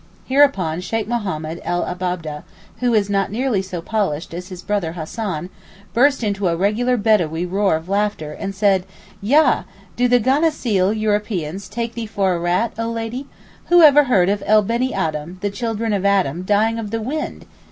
Hereupon Sheykh Mohammed el Abab'deh, who is not nearly so polished as his brother Hassan, burst into a regular bedawee roar of laughter, and said, 'Yah! do the Ganassil (Europeans) take thee for a rat, oh lady? Whoever heard of el Beni Adam (the children of Adam) dying of the wind?